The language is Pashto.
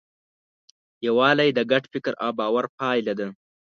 یووالی د ګډ فکر او باور پایله ده.